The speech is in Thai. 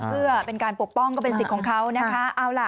เพื่อเป็นการปกป้องก็เป็นสิทธิ์ของเขานะคะ